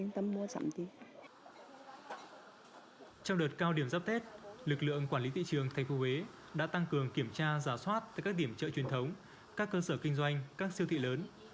trong đợt cao điểm dắp tết lực lượng quản lý thị trường tp huế đã tăng cường kiểm tra giả soát tại các điểm chợ truyền thống các cơ sở kinh doanh các siêu thị lớn